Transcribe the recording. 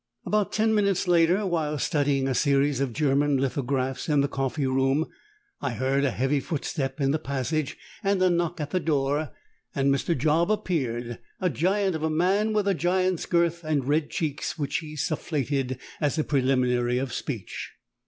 About ten minutes later, while studying a series of German lithographs in the coffee room, I heard a heavy footstep in the passage and a knock at the door; and Mr. Job appeared, a giant of a man, with a giant's girth and red cheeks, which he sufflated as a preliminary of speech.